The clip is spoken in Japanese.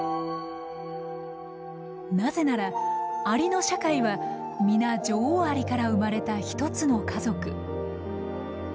なぜならアリの社会は皆女王アリから生まれた一つの家族。